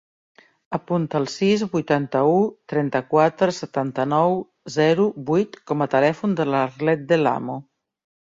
Apunta el sis, vuitanta-u, trenta-quatre, setanta-nou, zero, vuit com a telèfon de l'Arlet De Lamo.